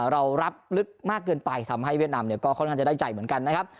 เรารับลึกมากเกินไปทำให้เวียดนามก็ค่อนข้างจะได้ใจเหมือนกันนะครับ